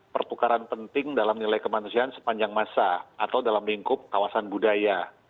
pertukaran penting dalam nilai kemanusiaan sepanjang masa atau dalam lingkup kawasan budaya